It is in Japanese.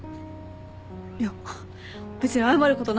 いや別に謝ることないよ。